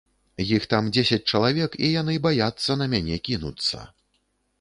Іх там дзесяць чалавек, і яны баяцца на мяне кінуцца.